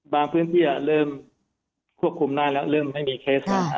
พื้นที่เริ่มควบคุมได้แล้วเริ่มไม่มีเคสแล้ว